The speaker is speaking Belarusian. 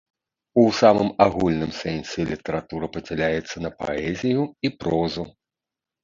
У самым агульным сэнсе літаратура падзяляецца на паэзію і прозу.